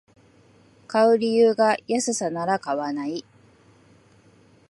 買う理由が安さなら買わない